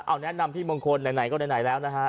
เอาแนะนำพี่มงคลไหนก็ไหนแล้วนะฮะ